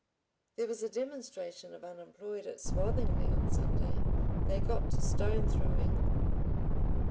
"There was a demonstration of unemployed at Swathinglea on Sunday. They got to stone throwing."